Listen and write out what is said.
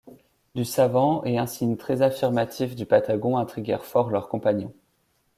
du savant et un signe très-affirmatif du Patagon intriguèrent fort leurs compagnons.